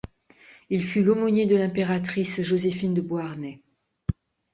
Il fut l'aumônier de l'impératrice Joséphine de Beauharnais.